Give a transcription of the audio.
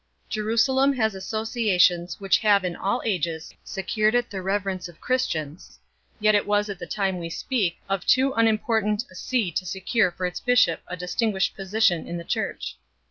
Jerusalem has associations which have in all ages secured it the reverence of Christians, yet it was at the time we speak of too unimportant a see to secure for its bishop a distinguished position in the Church.